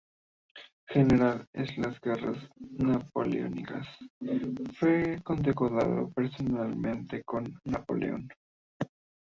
General en las Guerras Napoleónicas, fue condecorado personalmente por Napoleón.